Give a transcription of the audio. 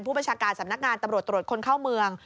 ประชาการสำนักงานตำรวจตรวจคนเข้าเมือง